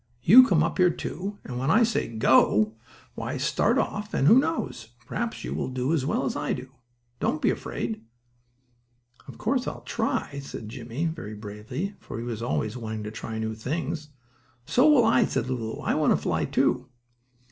You come up here, too, and when I say 'Go!' why start off, and, who knows? perhaps you will do as well as I. Don't be afraid." "Of course, I'll try," said Jimmie, very bravely, for he was always wanting to try new things. "So will I," cried Lulu. "I want to fly, too."